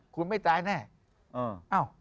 คุณไม่ตายแน่